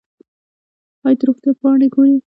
ایا د روغتیا پاڼې ګورئ؟